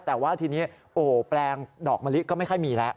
แต่ว่าทีนี้โอ้แปลงดอกมะลิก็ไม่ค่อยมีแล้ว